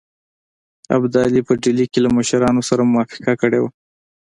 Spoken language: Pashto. ابدالي په ډهلي کې له مشرانو سره موافقه کړې وه.